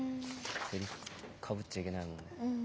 セリフかぶっちゃいけないもんね。